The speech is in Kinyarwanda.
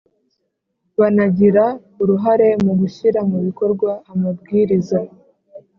banagira uruhare mu gushyira mu bikorwa amabwiriza